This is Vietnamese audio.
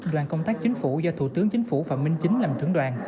đoàn công tác chính phủ do thủ tướng chính phủ phạm minh chính làm trưởng đoàn